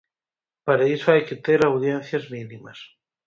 Para iso, hai que ter audiencias mínimas.